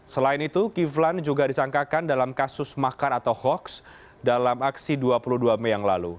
selain itu kiflan juga disangkakan dalam kasus makar atau hoaks dalam aksi dua puluh dua mei yang lalu